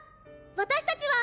私たちは。